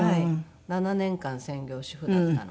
７年間専業主婦だったので。